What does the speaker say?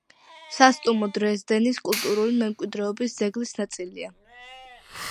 სასტუმრო „დრეზდენის“ კულტურული მემკვიდრეობის ძეგლის ნაწილია.